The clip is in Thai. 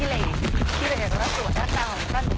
ที่เรจราจร่วดจ้าต๋อง